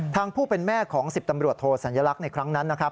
ผู้เป็นแม่ของ๑๐ตำรวจโทสัญลักษณ์ในครั้งนั้นนะครับ